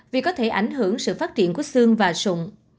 vì có thể ảnh hưởng sự phát triển của xương và sụng